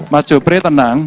mas jupri tenang